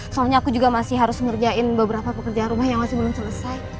soalnya aku juga masih harus ngerjain beberapa pekerjaan rumah yang masih belum selesai